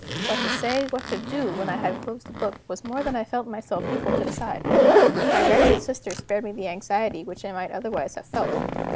What to say, what to do, when I had closed the book, was more than I felt myself equal to decide. My wretched sister spared me the anxiety which I might otherwise have felt.